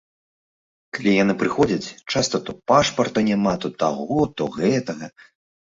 Калі яны прыходзяць, часта то пашпарта няма, то таго, то гэтага.